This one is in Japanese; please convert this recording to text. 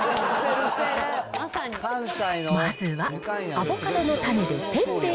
アボカドの種でせんべい。